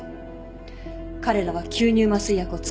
彼らは吸入麻酔薬を使い慣れてた。